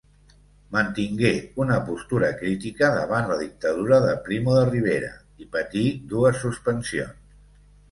Mantingué una postura crítica davant la Dictadura de Primo de Rivera i patí dues suspensions.